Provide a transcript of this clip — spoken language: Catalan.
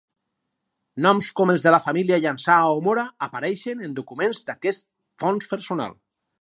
Noms com els de la família Llançà o Mora apareixen en documents d'aquest Fons personal.